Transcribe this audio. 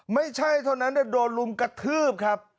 ไม่ใช่เท่านั้นแต่โดนลุมกระทืบครับ